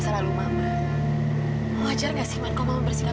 kalau memang ayahnya amira hanya bagian dari diri kamu